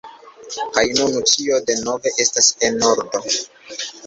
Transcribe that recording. kaj nun ĉio denove estas en ordo: